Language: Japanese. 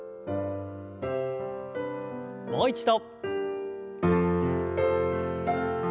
もう一度。